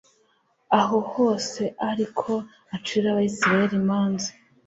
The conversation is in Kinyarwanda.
aho hose ari ko acira abayisraheli imanza